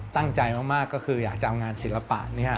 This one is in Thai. ตั้งใจมากก็คืออยากจะเอางานศิลปะ